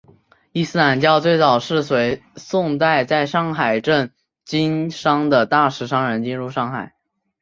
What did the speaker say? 伊斯兰教最早是随宋代在上海镇经商的大食商人进入上海。